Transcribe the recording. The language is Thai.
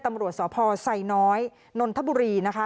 ตำรวจสพไซน้อยนนทบุรีนะคะ